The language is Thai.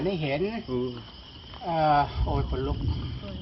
ที่สุดท้าย